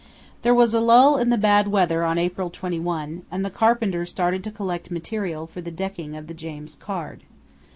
There was a lull in the bad weather on April 21, and the carpenter started to collect material for the decking of the James Caird.